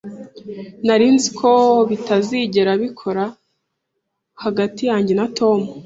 Nari nzi ko bitazigera bikora hagati yanjye na Tom.